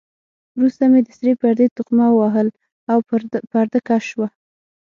وروسته مې د سرې پردې تقمه ووهل او پرده را کش شوه.